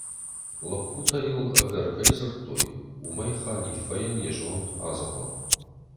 Лӕппутӕ йыл ӕгӕр кӕй дзырдтой, уымӕй Ханиффӕйӕн йӕ зонд адзӕгъӕл.